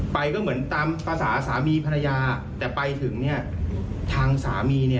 เหมือนตามภาษาสามีภรรยาแต่ไปถึงทางสามี